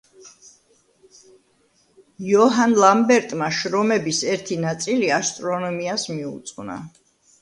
იოჰან ლამბერტმა შრომების ერთი ნაწილი ასტრონომიას მიუძღვნა.